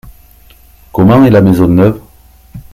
Comment est la maison neuve ?